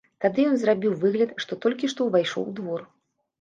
Тады ён зрабіў выгляд, што толькі што ўвайшоў у двор.